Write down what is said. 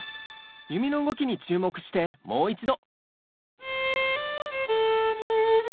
弓の動きに注目してもう一度。